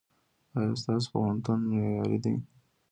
ایا ستاسو پوهنتون معیاري دی؟